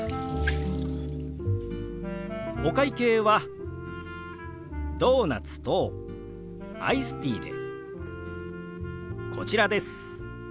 お会計はドーナツとアイスティーでこちらです。